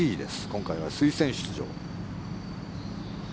今回は推薦出場。